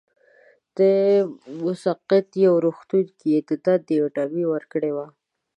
د مسقط یوه روغتون کې یې د دندې انټرویو ورکړې وه.